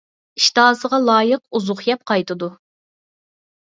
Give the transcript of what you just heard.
ئىشتىھاسىغا لايىق ئۇزۇق يەپ قايتىدۇ .